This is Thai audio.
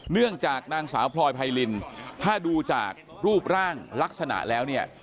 เนื่องจากนางสาวพลอยไพรินถ้าดูจากรูปร่างลักษณะแล้วเนี่ย